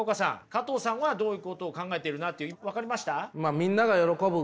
加藤さんはどういうことを考えているなって分かりました？